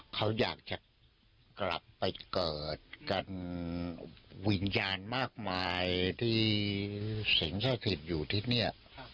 เขาอยากจะกลับไปเกิดกันวิญญาณมากมายที่เศรษฐศิษย์อยู่ที่นี่